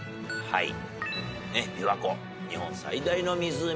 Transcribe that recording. はい。